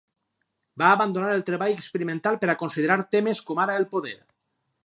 Va abandonar el treball experimental per a considerar temes com ara el poder.